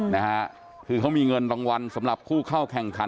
นะฮะคือเขามีเงินรางวัลสำหรับผู้เข้าแข่งขัน